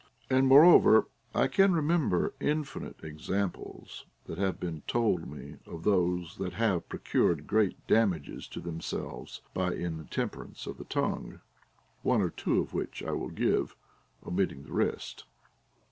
And, moreover, I can remember infinite examples that have been told me of those that have procured great damages to themselves by intemperance of the tongue ; one or two of which I will give, omitting the rest.